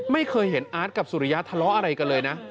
ไม่เคยเห็นอาร์ตกับสุริยะทะเลาะอะไรกันเลยนะ